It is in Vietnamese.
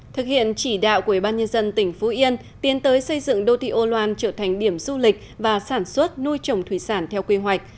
thực hiện chỉ đạo của ủy ban nhân dân tỉnh phú yên tiến tới xây dựng đô thị âu loan trở thành điểm du lịch và sản xuất nuôi trồng thủy sản theo quy hoạch